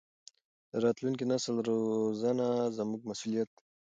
د راتلونکي نسل روزنه زموږ مسؤلیت دی.